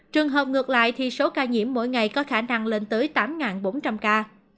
trường hợp ngược lại thì số ca nhiễm mỗi ngày có khả năng lên tới tám bốn trăm linh ca